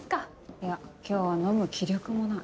いや今日は飲む気力もない。